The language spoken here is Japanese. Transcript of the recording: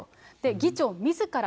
議長みずから